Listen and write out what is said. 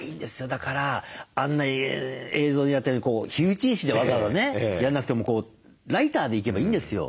だからあんな映像でやったように火打ち石でわざわざねやんなくてもこうライターでいけばいいんですよ。